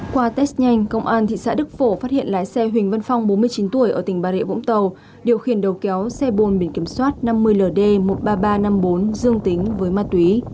qua test nhanh công an thị xã đức phổ phát hiện lái xe huỳnh văn phong bốn mươi chín tuổi ở tỉnh bà rịa vũng tàu điều khiển đầu kéo xe bồn biển kiểm soát năm mươi ld một mươi ba nghìn ba trăm năm mươi bốn dương tính với ma túy